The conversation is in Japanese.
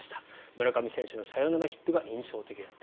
村上選手のサヨナラヒットが印象的だった。